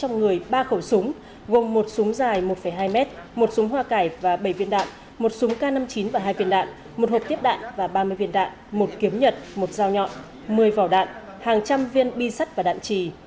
gồm một súng dài một hai mét một súng hoa cải và bảy viên đạn một súng k năm mươi chín và hai viên đạn một hộp tiếp đạn và ba mươi viên đạn một kiếm nhật một dao nhọn một mươi vỏ đạn hàng trăm viên bi sắt và đạn trì